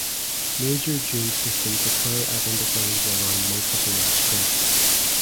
Major dune systems occur at intervals around most of the Welsh coast.